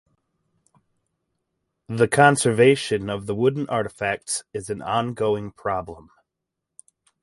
The conservation of the wooden artifacts is an ongoing problem.